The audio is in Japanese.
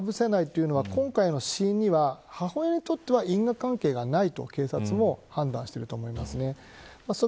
薬物中毒死という中で実際にこれを、かぶせたかぶせないというのは今回の死因には母親にとっては因果関係はないと警察も判断していると思います。